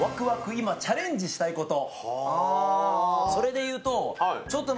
今、チャレンジしたいこと。